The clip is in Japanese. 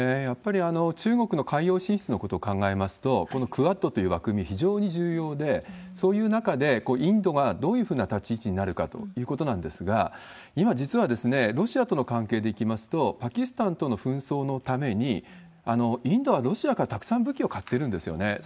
やっぱり中国の海洋進出のことを考えますと、このクアッドという枠組み非常に重要で、そういう中でインドがどういうふうな立ち位置になるかということなんですが、今、実はロシアとの関係でいきますと、パキスタンとの紛争のために、インドはロシアからたくさん武器を買ってるんですね。